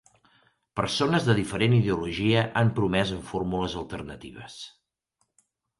Persones de diferent ideologia han promès amb fórmules alternatives.